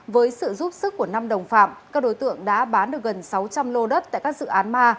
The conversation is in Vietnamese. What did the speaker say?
với sự giúp sức của năm đồng phạm các đối tượng đã bán được gần sáu trăm linh lô đất tại các dự án ma